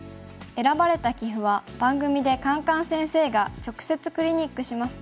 選ばれた棋譜は番組でカンカン先生が直接クリニックします。